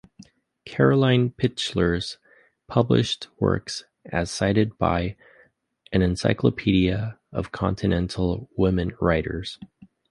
Karoline Pichler's published works as cited by "An Encyclopedia of Continental Women Writers".